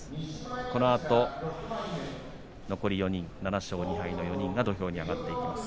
このあと残り４人、７勝２敗の４人が土俵に上がってきます。